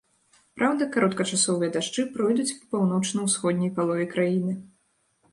Праўда, кароткачасовыя дажджы пройдуць па паўночна-ўсходняй палове краіны.